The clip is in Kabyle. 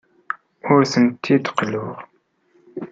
Ur tent-id-qelluɣ.